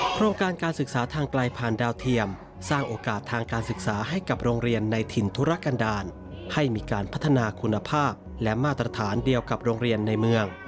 โครงการการศึกษาทางไกลผ่านดาวเทียมสร้างโอกาสทางการศึกษาให้กับโรงเรียนในถิ่นธุรกันดาลให้มีการพัฒนาคุณภาพและมาตรฐานเดียวกับโรงเรียนในเมือง